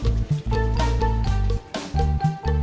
ini ya adalah pabrik maul